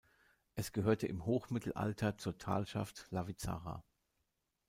Es gehörte im Hochmittelalter zur Talschaft Lavizzara.